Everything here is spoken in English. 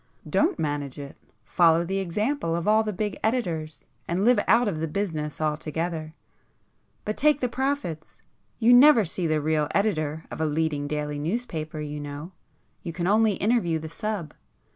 "Don't manage it! Follow the example of all the big editors, and live out of the business altogether,—but take the profits! You never see the real editor of a leading daily newspaper you know,—you can only interview the sub.